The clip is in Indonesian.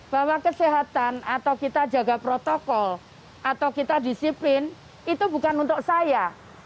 bahwa kesehatan atau kita jaga protokol atau kita disiplin itu bukan untuk saya